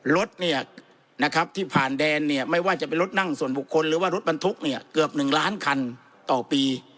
รถที่ผ่านแดนไม่ว่าจะเป็นรถนั่งส่วนบุคคลหรือว่ารถบรรทุกเกือบ๑ล้านคันต่อปี